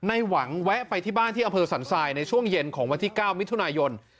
ในหวังแวะไปที่บ้านที่อำเภอสันทรายในช่วงเย็นของวันที่๙มิถุนายน